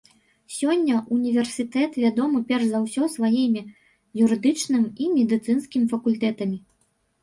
Сёння універсітэт вядомы перш за ўсё сваімі юрыдычным і медыцынскім факультэтамі.